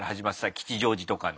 吉祥寺とかの。